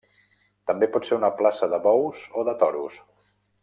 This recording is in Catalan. També pot ser una plaça de bous o de toros.